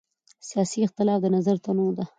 سیاسي اختلاف د نظر تنوع ده